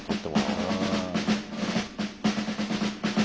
うん。